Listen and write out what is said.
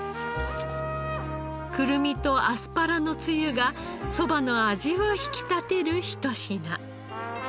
くるみとアスパラのつゆがそばの味を引き立てる一品。